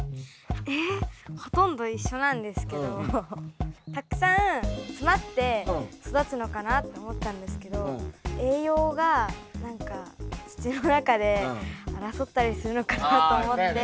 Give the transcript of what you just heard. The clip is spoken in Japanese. えっほとんど一緒なんですけどたくさん詰まって育つのかなと思ったんですけど栄養が何か土の中で争ったりするのかなと思って。